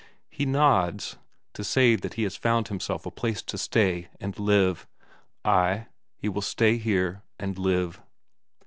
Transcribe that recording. He nods, to say that he has found himself a place to stay and live: ay, he will stay here and live.